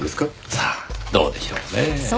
さあどうでしょうねぇ。